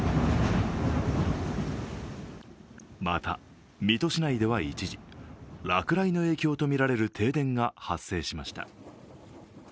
また、水戸市内では一時落雷の影響とみられる停電が発生しました。